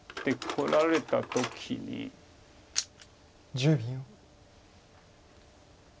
１０秒。